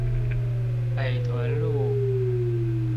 北屯路